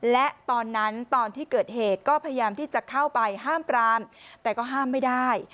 และตอนนั้นตอนที่เกิดเหตุก็พยายามที่จะเข้าไปห้ามปรามแต่ก็ห้ามไม่ได้